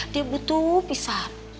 dia butuh pisan